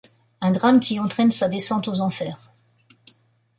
Un drame qui entraine sa descente aux enfers.